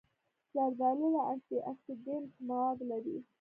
زردالو د انټي اکسېډنټ مواد لري.